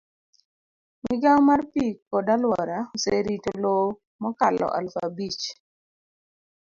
migawo mar pi kod alwora oserito lowo mokalo aluf abich.